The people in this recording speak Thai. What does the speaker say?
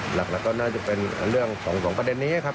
หลักแล้วก็น่าจะเป็นเรื่องของประเด็นนี้ครับ